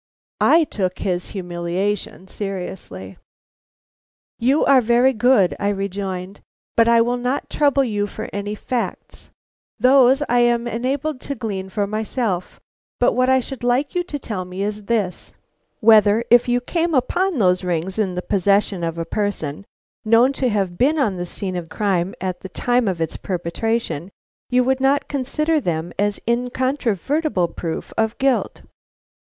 I took his humiliation seriously. "You are very good," I rejoined, "but I will not trouble you for any facts, those I am enabled to glean for myself; but what I should like you to tell me is this: Whether if you came upon those rings in the possession of a person known to have been on the scene of crime at the time of its perpetration, you would not consider them as an incontrovertible proof of guilt?"